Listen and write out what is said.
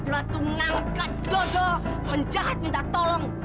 lo tuh menangkap dodol penjahat minta tolong